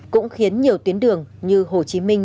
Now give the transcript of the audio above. cũng khiến nhiều tuyến đường như hồ chí minh